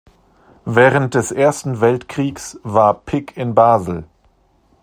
Während des Ersten Weltkriegs war Pick in Basel.